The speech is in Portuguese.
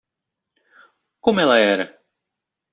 Como ela era?